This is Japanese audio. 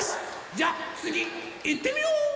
じゃあつぎいってみよう！